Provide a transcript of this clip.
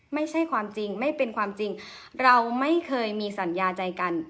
ไม่ใช่ความจริงไม่เป็นความจริงเราไม่เคยมีสัญญาใจกัน